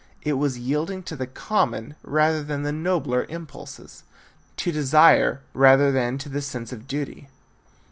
It was yielding to the common rather than the nobler impulses, to desire rather than to the sense of duty.